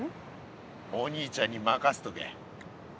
お兄ちゃんに任せとけ。